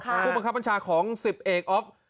ผู้บังคับบัญชาของ๑๐เอกอ๊อฟ